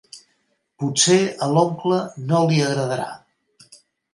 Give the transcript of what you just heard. Potser a l'oncle no li agradarà.